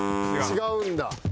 違うんだ。